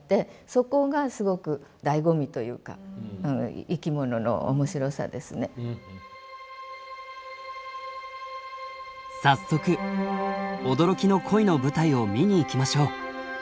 そこがすごくだいご味というか早速驚きの恋の舞台を見に行きましょう。